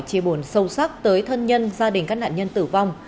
chia buồn sâu sắc tới thân nhân gia đình các nạn nhân tử vong